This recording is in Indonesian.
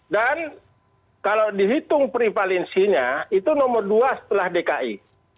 dan kalau dihitung privalinsinya itu nomor dua setelah dki